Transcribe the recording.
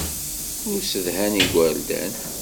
Ur ssedhan igerdan.